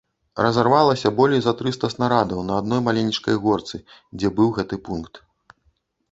Разарвалася болей за трыста снарадаў на адной маленечкай горцы, дзе быў гэты пункт.